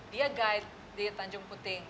dia guide di tanjung puting